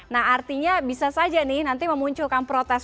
nah artinya bisa saja nih nanti memunculkan protes